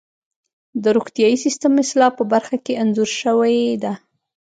د روغتیايي سیستم اصلاح په برخه کې انځور شوې ده.